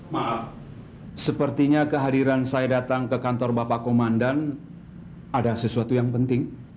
maaf sepertinya kehadiran saya datang ke kantor bapak komandan ada sesuatu yang penting